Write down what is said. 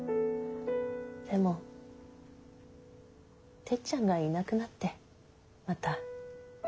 でもてっちゃんがいなくなってまた。